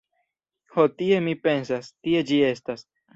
Ho tie mi pensas, tie ĝi estas.